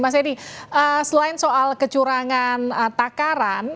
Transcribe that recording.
mas edi selain soal kecurangan takaran